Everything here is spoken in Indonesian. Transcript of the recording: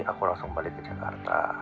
aku langsung balik ke jakarta